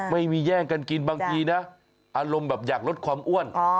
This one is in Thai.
แย่งกันกินบางทีนะอารมณ์แบบอยากลดความอ้วน